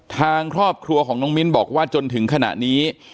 ทางครอบครัวของน้องมิ้นบอกว่าจนถึงขณะนี้